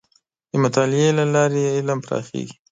د مطالعې له لارې علم پراخېږي.